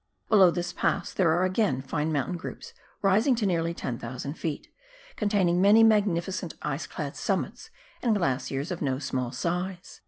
Below this pass there are again fine mountain groups rising to nearly 10,000 ft., containing many magnificent ice clad summits and glaciers of no small size.